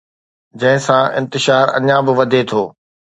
جنهن سان انتشار اڃا به وڌي ٿو